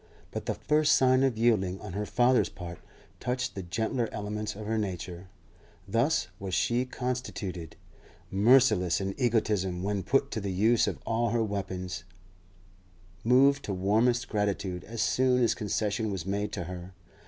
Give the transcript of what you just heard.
But the first sign of yielding on her father's part touched the gentler elements of her nature. Thus was she constituted; merciless in egotism when put to the use of all her weapons, moved to warmest gratitude as soon as concession was made to her.